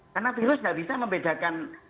karena virus tidak bisa membedakan